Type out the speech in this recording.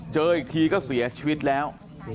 เจออีกทีก็เสียชีวิตแล้ว